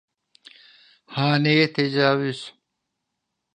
Haneye tecavüz.